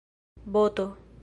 boto